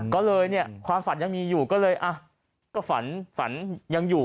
ก็เลยเนี่ยความฝันยังมีอยู่ก็เลยอ่ะก็ฝันฝันยังอยู่